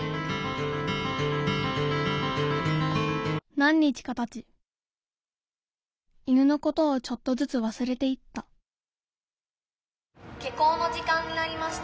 何日かたち犬のことをちょっとずつわすれていった「下校の時間になりました。